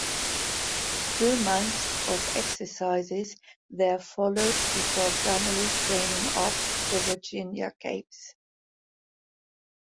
Two months of exercises there followed before gunnery training off the Virginia Capes.